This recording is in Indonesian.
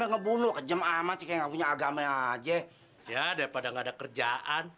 ngebunuh kejam aman sih nggak punya agama aja ya daripada nggak ada kerjaan